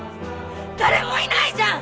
誰もいないじゃん！